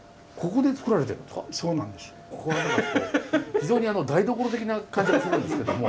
非常に台所的な感じがするんですけども。